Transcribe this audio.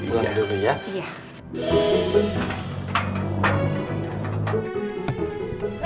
buat dulu ya